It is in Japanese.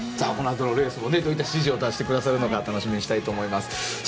この後のレースのどういった指示を出してくださるのか楽しみにしたいと思います。